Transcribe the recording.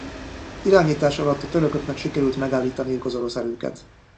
Irányítása alatt a törököknek sikerült megállítaniuk az orosz erőket.